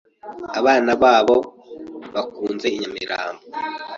Abana babo bakunze i Nyamirambo